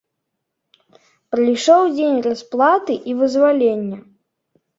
Прыйшоў дзень расплаты і вызвалення.